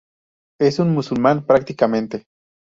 Es un musulmán practicante.